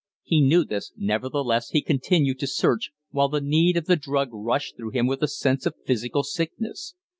He knew this, nevertheless he continued to search, while the need of the drug rushed through him with a sense of physical sickness.